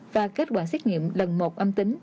và kết quả xét nghiệm lần một âm tính